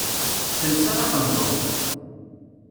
Telsa taqendurt.